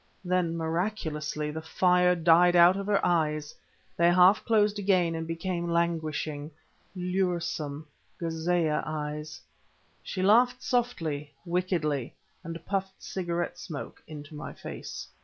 Then, miraculously, the fire died out of her eyes; they half closed again and became languishing, luresome Ghâzeeyeh eyes. She laughed softly, wickedly, and puffed cigarette smoke into my face.